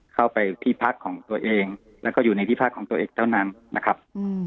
เข้าไปที่พักของตัวเองแล้วก็อยู่ในที่พักของตัวเองเท่านั้นนะครับ